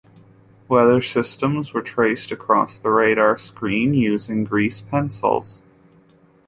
Weather systems were traced across the radar screen using grease pencils.